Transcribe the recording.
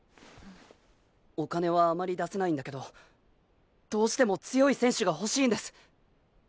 お金はあまり出せないんだけどどうしても強い選手が欲しいんです。